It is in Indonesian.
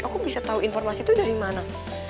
aku bisa tahu informasi itu dari mana